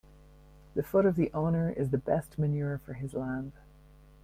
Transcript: The foot of the owner is the best manure for his land.